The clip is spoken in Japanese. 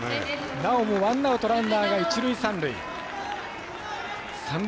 なおもワンアウトランナーが一塁、三塁。